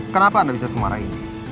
kenapa anda bisa semarai